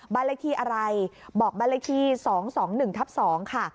บัญลักษณ์ที่อะไรบอกบัญลักษณ์ที่๒๒๑๒